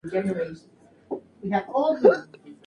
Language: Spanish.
El cráter lleva el nombre del sofista griego Protágoras de Abdera.